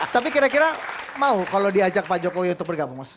tapi kira kira mau kalau diajak pak jokowi untuk bergabung mas